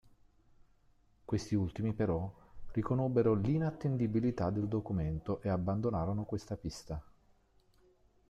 Questi ultimi però riconobbero l'inattendibilità del documento e abbandonarono questa pista.